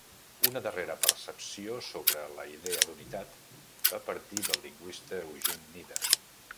Una darrera percepció sobre la idea d'unitat va partir del lingüista Eugene Nida.